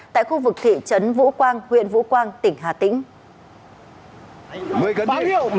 tại khu vực thị trấn vũ quang huyện vũ quang tỉnh hà tĩnh